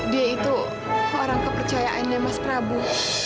dia itu orang kepercayaannya mas prabu